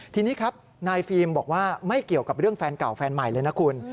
ทีนี้ครับนายฟิล์มบอกว่าไม่เกี่ยวกับเรื่องแฟนเก่าแฟนใหม่เลยนะคุณ